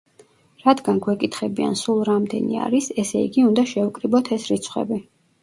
რადგან გვეკითხებიან სულ რამდენი არის, ესე იგი, უნდა შევკრიბოთ ეს რიცხვები.